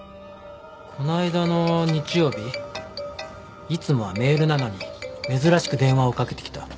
この間の日曜日いつもはメールなのに珍しく電話をかけてきた。